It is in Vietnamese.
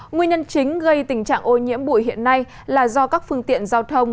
nguyên nhân chính gây tình trạng ô nhiễm bụi hiện nay là do các phương tiện giao thông